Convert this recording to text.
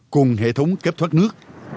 cùng hệ thống kếp thoát nước